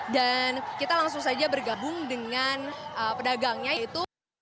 dan kita langsung saja bergabung dengan pedagangnya yaitu